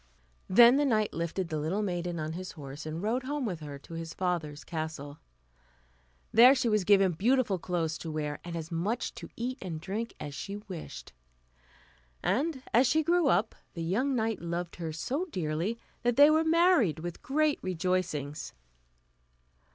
Then the knight lifted the little maiden on his horse, and rode home with her to his father's castle. There she was given beautiful clothes to wear, and as much to eat and drink as she wished, and as she grew up the young knight loved her so dearly that they were married with great rejoicings.